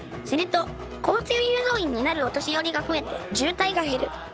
すると交通誘導員になるお年寄りが増えて渋滞が減る